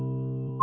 あ！